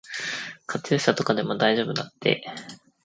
カチューシャとかでも大丈夫だって。